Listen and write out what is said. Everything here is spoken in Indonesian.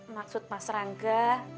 maksud mas rangga